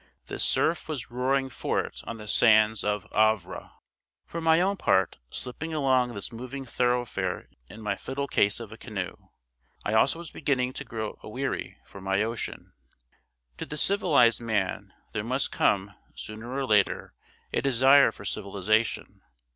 The surf was roaring for it on the sands of Havre. For my own part, slipping along this moving thoroughfare in my fiddle case of a canoe, I also was beginning to grow aweary for my ocean. To the civilised man, there must come, sooner or later, a desire for civilisation.